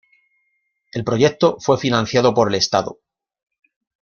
El proyecto fue financiado por el Estado.